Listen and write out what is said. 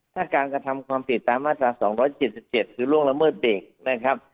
ถ้าการกระทำความผิดตามมาตรา๒๗๗คือล่วงละเมิดเด็กนะครับ